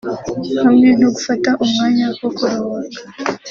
hamwe no gufata umwanya wo kuruhuka